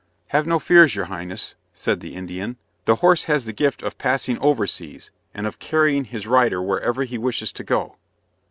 "Have no fears, your Highness," said the Indian; "the horse has the gift of passing over seas, and of carrying his rider wherever he wishes to go."